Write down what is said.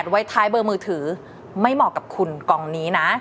ไว้ท้ายเบอร์มือถือไม่เหมาะกับคุณกองนี้นะ